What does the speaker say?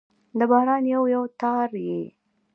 د باران یو، یو تار يې